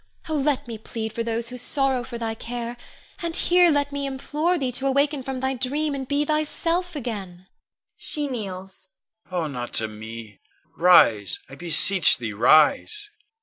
Oh, let me plead for those who sorrow for thy care, and here let me implore thee to awaken from thy dream and be thyself again [she kneels]. Con. Oh, not to me! Rise, I beseech thee, rise!